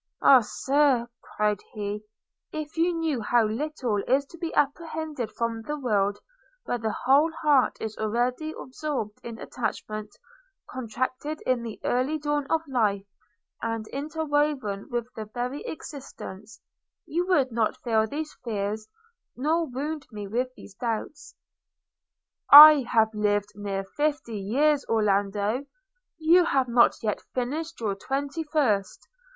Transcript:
'Ah, Sir!' cried he, 'if you knew how little is to be apprehended from the world, where the whole heart is already absorbed in attachment, contracted in the early dawn of life, and interwoven with the very existence, you would not feel these fears, nor wound me with these doubts.' 'I have lived near fifty years, Orlando; you have not yet finished your twenty first.